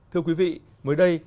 thưa quý vị mới đây